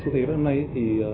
xu thế với năm nay thì